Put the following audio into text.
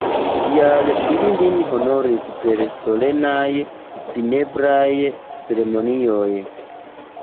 Tial ili lin honoris per solenaj funebraj ceremonioj.